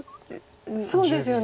そうですよね。